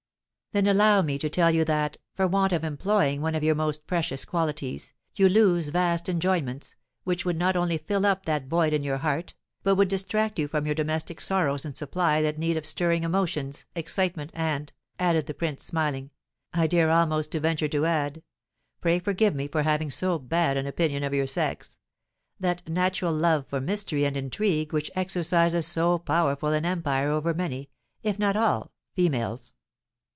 "Then allow me to tell you that, for want of employing one of your most precious qualities, you lose vast enjoyments, which would not only fill up that void in your heart, but would distract you from your domestic sorrows and supply that need of stirring emotions, excitement, and," added the prince, smiling, "I dare almost to venture to add, pray forgive me for having so bad an opinion of your sex, that natural love for mystery and intrigue which exercises so powerful an empire over many, if not all, females."